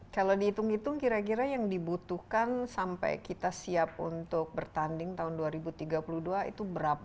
kalau dihitung hitung kira kira yang dibutuhkan sampai kita siap untuk bertanding tahun dua ribu tiga puluh dua itu berapa